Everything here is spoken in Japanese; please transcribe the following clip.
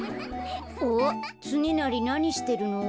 あっつねなりなにしてるの？